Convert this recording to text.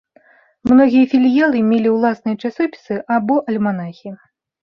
Многія філіялы мелі ўласныя часопісы або альманахі.